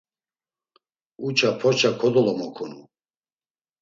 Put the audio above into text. Uça porça kodolomokunu.